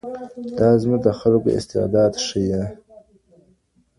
دا زموږ د خلکو استعداد ښیي.